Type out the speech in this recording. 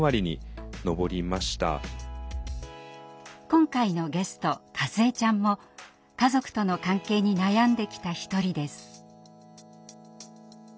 今回のゲストかずえちゃんも家族との関係に悩んできた一人です。